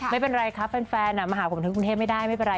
ไม่เป็นไรครับแฟนมาหาผมที่กรุงเทพไม่ได้ไม่เป็นไร